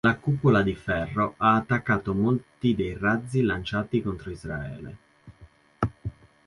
La Cupola di Ferro ha attaccato molti dei razzi lanciati contro Israele.